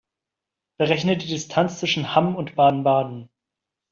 Berechne die Distanz zwischen Hamm und Baden-Baden